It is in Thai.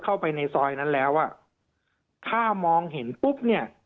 เข้าไปในซอยนั้นแล้วอ่ะถ้ามองเห็นปุ๊บเนี่ย